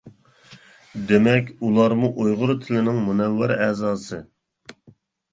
دېمەك، ئۇلارمۇ ئۇيغۇر تىلىنىڭ مۇنەۋۋەر ئەزاسى.